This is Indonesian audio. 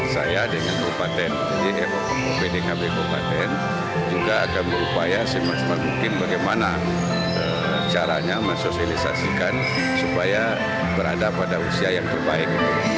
saya dengan bdkb kabupaten juga akan berupaya semaksimal mungkin bagaimana caranya mensosialisasikan supaya berada pada usia yang terbaik